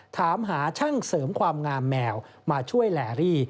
ถามหาช่างเสริมความงามแมวมาช่วยแลรี่